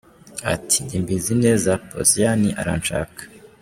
ati, Njye mbizi neza, Posiyani arashaka.